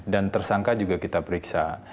dan tersangka juga kita periksa